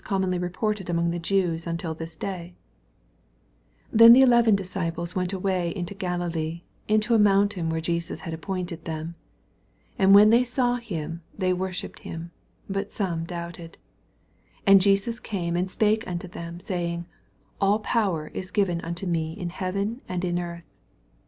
as they were taught : and this saying sported among the J e 16 Then the eleven disciples went sway into Galilee, into a mountain where Jesus had appointed them. 17 And when they saw him, thi^ worshipped him : but some doubted. 18 And Jesus came and spake unto them, saying, AU power is given unto me in heaven and in earth.